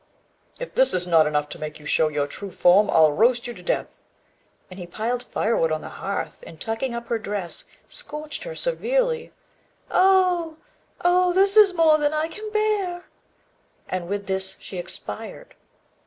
"If this is not enough to make you show your true form, I'll roast you to death;" and he piled firewood on the hearth, and, tucking up her dress, scorched her severely. "Oh! oh! this is more than I can bear;" and with this she expired.